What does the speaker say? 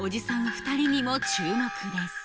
２人にも注目です